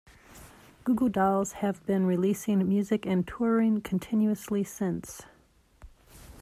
Goo Goo Dolls have been releasing music and touring continuously since.